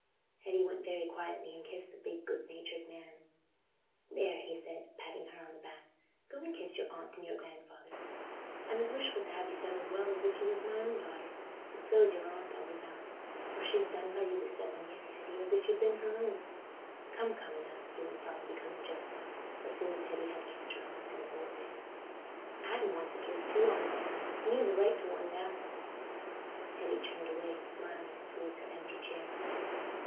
Hetty went very quietly and kissed the big good natured man. "There!" he said, patting her on the back, "go and kiss your aunt and your grandfather. I'm as wishful t' have you settled well as if you was my own daughter; and so's your aunt, I'll be bound, for she's done by you this seven 'ear, Hetty, as if you'd been her own. Come, come, now," he went on, becoming jocose, as soon as Hetty had kissed her aunt and the old man, "Adam wants a kiss too, I'll warrant, and he's a right to one now." Hetty turned away, smiling, towards her empty chair.